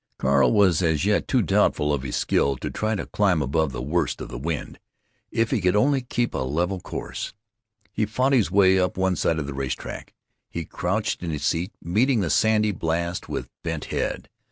Carl was as yet too doubtful of his skill to try to climb above the worst of the wind. If he could only keep a level course—— He fought his way up one side of the race track. He crouched in his seat, meeting the sandy blast with bent head.